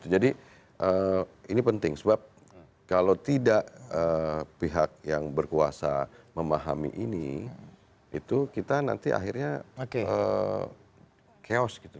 jadi ini penting sebab kalau tidak pihak yang berkuasa memahami ini itu kita nanti akhirnya chaos